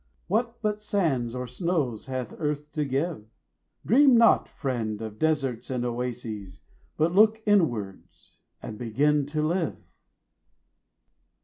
What but sands or snows hath earth to give? Dream not, friend, of deserts and oases, 15 But look inwards, and begin to live!